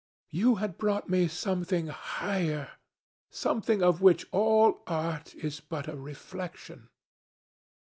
You had brought me something higher, something of which all art is but a reflection.